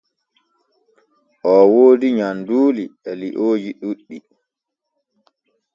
O woodi nyanduuli e liooji ɗuɗɗi.